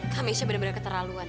kami isya benar benar keterlaluan